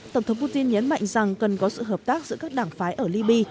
tổng thống putin nhấn mạnh rằng cần có sự hợp tác giữa các đảng phái ở liby